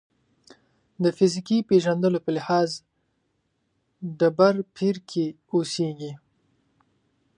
د فیزیکي پېژندلو په لحاظ ډبرپېر کې اوسېږي.